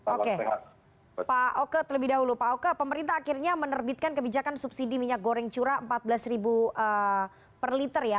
oke pak oke terlebih dahulu pak oke pemerintah akhirnya menerbitkan kebijakan subsidi minyak goreng curah rp empat belas per liter ya